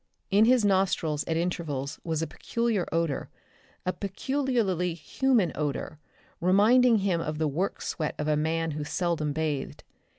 In his nostrils at intervals was a peculiar odor a peculiarly human odor, reminding him of the work sweat of a man who seldom bathed.